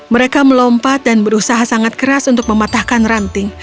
mereka melompat dan berusaha sangat keras untuk mematahkan ranting